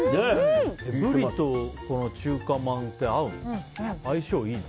ブリと中華まんって合うの？